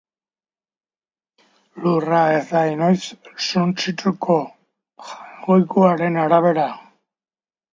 Lurra suntsituko da, zibilizazio haren arabera.